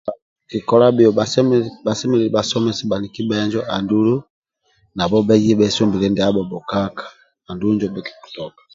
Kiki kola bhiyo bhasemelelu bhasomes bhaniki bhenjo andulu nabho bhaye bhesumbilie ndiabho bhokaka andulu ndie bhikitoka